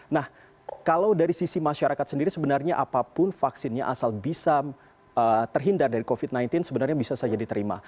nah kalau dari sisi masyarakat sendiri sebenarnya apapun vaksinnya asal bisa terhindar dari covid sembilan belas sebenarnya bisa saja diterima